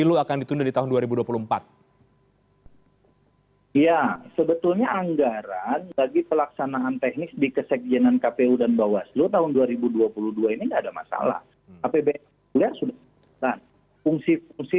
sudah melakukan fungsi fungsi